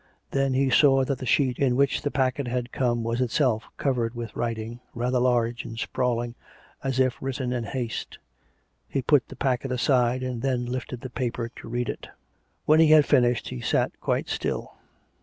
Then he saw that the sheet in which the packet had come was itself covered with writing, rather large and sprawling, as if written in haste. He put the packet aside, and then lifted the paper to read it. When he had finished, he sat quite still.